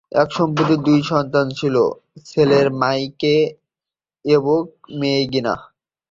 এই দম্পতির দুই সন্তান ছিল: ছেলে মাইকেল এবং মেয়ে গিনা।